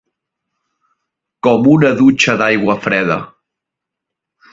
Com una dutxa d'aigua freda.